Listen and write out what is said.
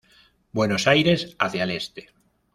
Buenos Aires hacia el Este.